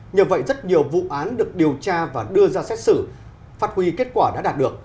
nhờ vậy rất nhiều vụ án được điều tra và đưa ra xét xử phát huy kết quả đã đạt được